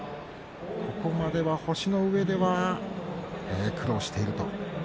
ここまでは星のうえでは苦労していると。